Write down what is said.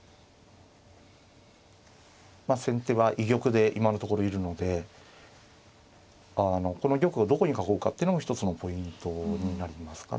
先手は居玉で今のところいるのでこの玉をどこに囲うかってのも一つのポイントになりますかね。